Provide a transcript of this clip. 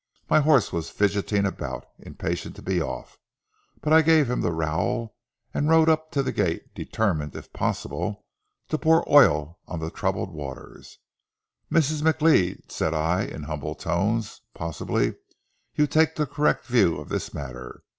My horse was fidgeting about, impatient to be off, but I gave him the rowel and rode up to the gate, determined, if possible, to pour oil on the troubled waters. "Mrs. McLeod," said I, in humble tones, "possibly you take the correct view of this matter.